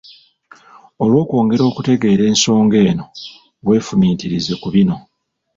Olw’okwongera okutegeera ensonga eno weefumitirize ku bino.